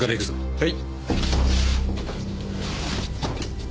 はい。